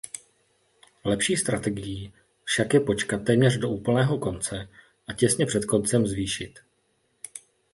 Lepší strategií však je počkat téměř do úplného konce a těsně před koncem zvýšit.